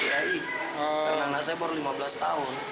karena anak saya baru lima belas tahun